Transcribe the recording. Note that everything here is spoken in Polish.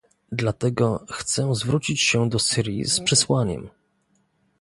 Dlatego chcę zwrócić się do Syrii z przesłaniem